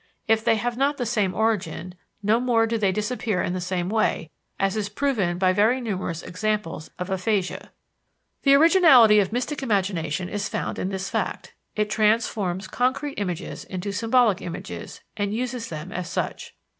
If they have not the same origin, no more do they disappear in the same way, as is proven by very numerous examples of aphasia. The originality of mystic imagination is found in this fact: It transforms concrete images into symbolic images, and uses them as such.